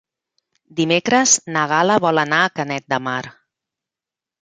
Dimecres na Gal·la vol anar a Canet de Mar.